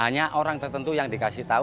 hanya orang tertentu yang dikasih tahu